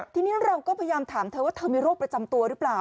ทีนี้เราก็พยายามถามเธอว่าเธอมีโรคประจำตัวหรือเปล่า